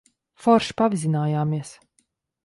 Forši pavizinājāmies.